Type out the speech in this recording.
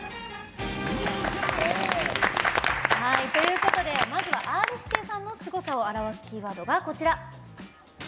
はいということでまずはＲー指定さんのすごさを表すキーワードがこちら。